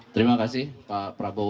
terima kasih pak prabowo